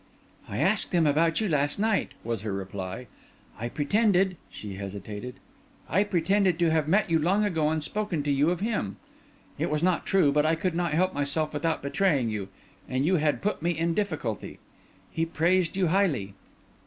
"I asked him about you last night," was her reply. "I pretended," she hesitated, "I pretended to have met you long ago, and spoken to you of him. It was not true; but I could not help myself without betraying you, and you had put me in a difficulty. He praised you highly."